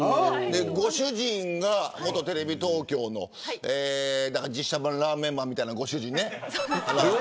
ご主人が元テレビ東京の実写版ラーメンマンみたいなご主人ね。